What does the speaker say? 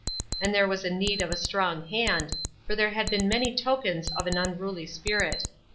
And there was need of a strong hand, for there had been many tokens of an unruly spirit.